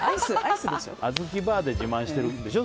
あずきバーで自慢してるでしょ？